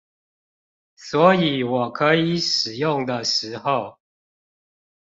所以我可以使用的時候